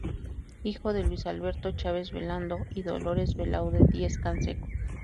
Hijo de Luis Alberto Chaves Velando y Dolores Belaunde Diez-Canseco.